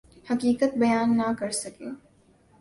حقیقت بیان نہ کر سکے۔